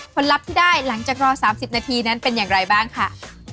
ลัพธ์ที่ได้หลังจากรอ๓๐นาทีนั้นเป็นอย่างไรบ้างค่ะ